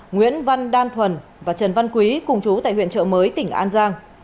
nguyễn văn đan thuần và trần văn quý cùng chú tại huyện trợ mới tỉnh an giang